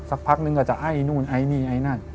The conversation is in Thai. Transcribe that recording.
สักพักนึงก็จะไอ้นู่นไอ้นี่ไอ้นั่น